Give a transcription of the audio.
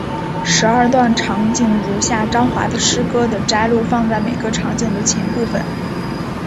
十二段场景如下张华的诗歌的摘录放在每个场景的前部分。